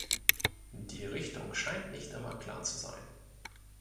Die Richtung scheint nicht immer klar zu sein.